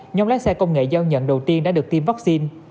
nhóm lái xe công nghệ giao nhận đầu tiên đã được tiêm vaccine